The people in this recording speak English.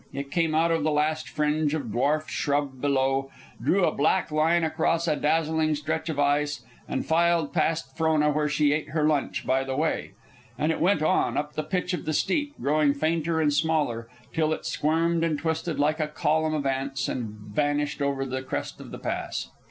It came out of the last fringe of dwarfed shrub below, drew a black line across a dazzling stretch of ice, and filed past Frona where she ate her lunch by the way. And it went on, up the pitch of the steep, growing fainter and smaller, till it squirmed and twisted like a column of ants and vanished over the crest of the pass.